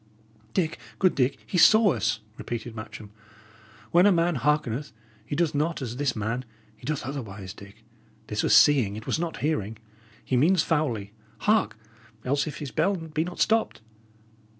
'" "Dick, good Dick, he saw us," repeated Matcham. "When a man hearkeneth, he doth not as this man; he doth otherwise, Dick. This was seeing; it was not hearing. He means foully. Hark, else, if his bell be not stopped!"